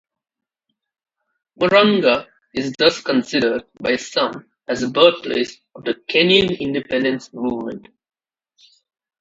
Murang'a is thus considered by some as the birthplace of the Kenyan independence movement.